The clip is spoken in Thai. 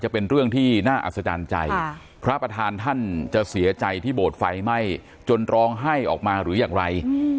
พระพระทานท่านจะเสียใจที่โบสถ์ไฟไหม้จนร้องให้ออกมาหรืออย่างไร